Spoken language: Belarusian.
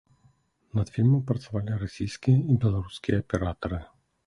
Над фільмам працавалі расійскія і беларускія аператары.